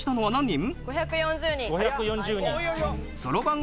５４０人。